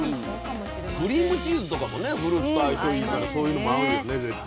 クリームチーズとかもねフルーツと相性いいからそういうのも合うんですね絶対。